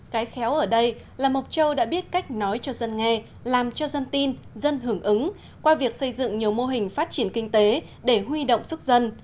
cái khéo ở đây là mộc châu đã biết cách nói cho dân nghe làm cho dân tin dân hưởng ứng qua việc xây dựng nhiều mô hình phát triển kinh tế để huy động sức dân